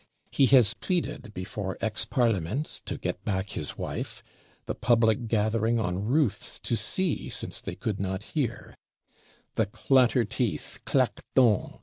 He has pleaded before Aix Parlements (to get back his wife), the public gathering on roofs, to see, since they could not hear: "The clatter teeth (claque dents)!"